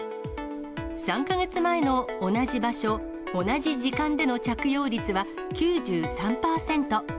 ３か月前の同じ場所、同じ時間での着用率は９３％。